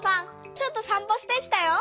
ちょっとさんぽしてきたよ。